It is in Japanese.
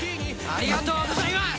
ありがとうございます！